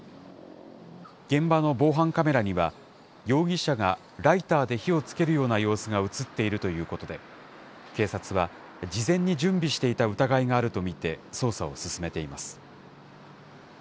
現場の防犯カメラには、容疑者がライターで火をつけるような様子が写っているということで、警察は、事前に準備していた疑いがあると見て捜査を進めています。